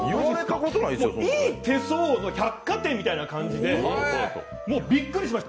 いい手相の百貨店みたいな感じでびっくりしました。